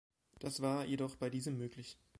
Das war jedoch bei diesem möglich .